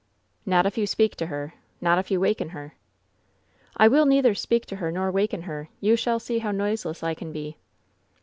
"Not if you speak to her. Not if you waken her." "I will neither speak to her nor waken her. You shall see how noiseless I can be."